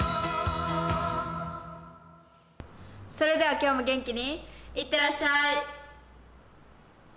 それでは今日も元気にいってらっしゃい！